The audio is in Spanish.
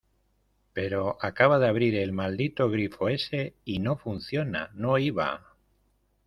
pero acaba de abrir el maldito grifo ese y no funciona, no iba.